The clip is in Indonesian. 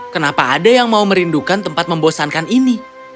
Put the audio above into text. kenapa ada yang mau merindukan tempat membosankan ini